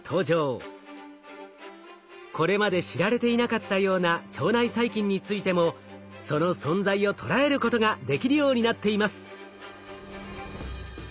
これまで知られていなかったような腸内細菌についてもその存在を捉えることができるようになっています。